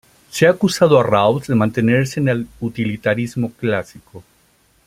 Se ha acusado a Rawls de mantenerse en el utilitarismo clásico.